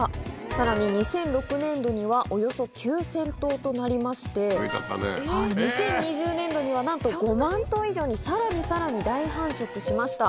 さらに２００６年度にはおよそ９０００頭となりまして、２０２０年度には、なんと５万頭以上に、さらにさらに大繁殖しました。